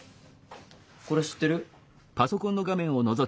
これ知ってる？